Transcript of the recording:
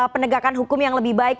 penegakan hukum yang lebih baik